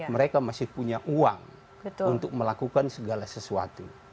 mereka masih punya uang untuk melakukan segala sesuatu